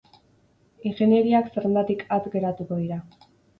Ingeniariak zerrendatik at geratuko dira.